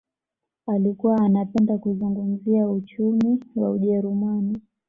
Alikuwa anapenda kuzungumzia uchumi wa ujerumani